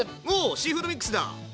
シーフードミックスだ！